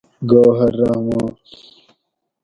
گوہر رحمان